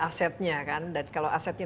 asetnya kan dan kalau asetnya